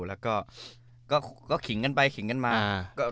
แล้วก็ขิงกันไปขิงกันมา